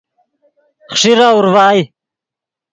خیݰیرہ اورڤائے